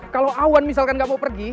kalau awan misalkan nggak mau pergi